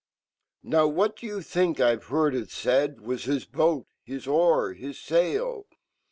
4 Now, whatdo youfhink 1've.heardit faid Was hiiboat, hii o^r, his sail?